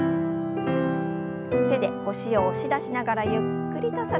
手で腰を押し出しながらゆっくりと反らせます。